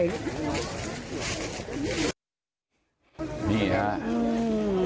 โอ้นี่ฮะอืม